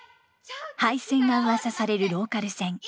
廃線がうわさされるローカル線。